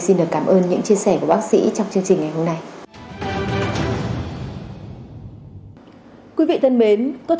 xin được cảm ơn những chia sẻ của bác sĩ trong chương trình ngày hôm nay